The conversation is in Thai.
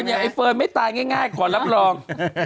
ไอ้เฟิร์นไม่ตายง่ายขอรับรอง